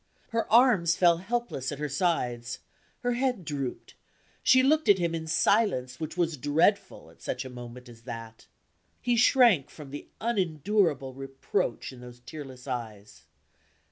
Her arms fell helpless at her sides her head drooped she looked at him in silence which was dreadful, at such a moment as that. He shrank from the unendurable reproach in those tearless eyes.